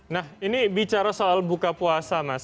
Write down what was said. nah ini bicara soal buka puasa mas